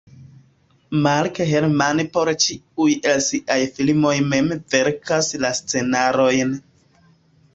Mark Herman por ĉiuj el siaj filmoj mem verkas la scenarojn.